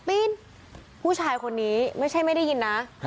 วิ่งไหลทางผู้ชายคนนี้ไม่ใช่ไม่ได้ยินนะ